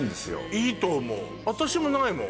いいと思う私もないもん。